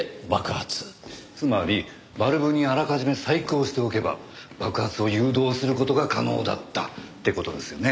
つまりバルブにあらかじめ細工をしておけば爆発を誘導する事が可能だったって事ですよね？